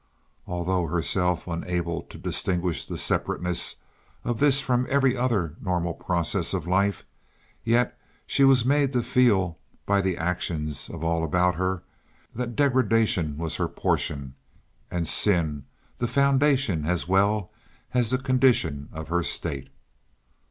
Although herself unable to distinguish the separateness of this from every other normal process of life, yet was she made to feel, by the actions of all about her, that degradation was her portion and sin the foundation as well as the condition of her state.